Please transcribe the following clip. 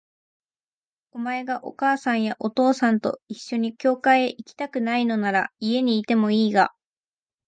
お前がお母さんやお父さんと一緒に教会へ行きたくないのなら、家にいてもいいが、